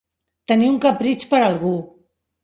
Tenir un capritx per algú.